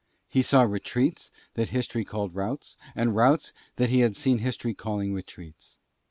He saw retreats that History called routs, and routs that he had seen History calling retreats.